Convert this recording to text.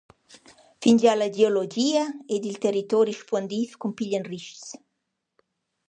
Fingià la geologia ed il territori spuondiv cumpiglian ris-chs.